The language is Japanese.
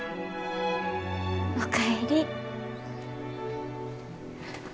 お帰り。